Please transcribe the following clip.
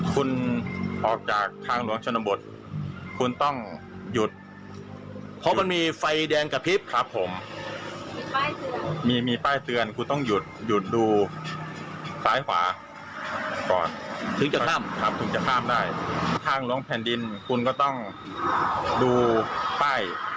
คุณจะข้ามได้ทางล้องแผ่นดินคุณก็ต้องดูป้าย